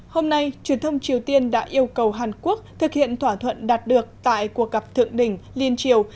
hôm nay truyền thông triều tiên đã yêu cầu hàn quốc thực hiện thỏa thuận đạt được tại cuộc gặp thượng đỉnh liên triều